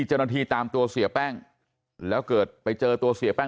เจ้าหน้าที่ตามตัวเสียแป้งแล้วเกิดไปเจอตัวเสียแป้ง